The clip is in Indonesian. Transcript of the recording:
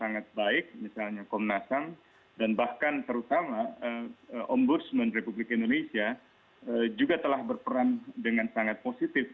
sangat baik misalnya komnas ham dan bahkan terutama ombudsman republik indonesia juga telah berperan dengan sangat positif